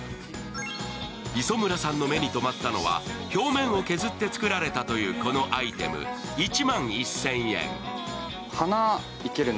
磯村さんの目に留まったのは表面を削って作られたというこのアイテム、１万１０００円。